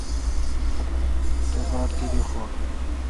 تو باڑ تیدی خور۔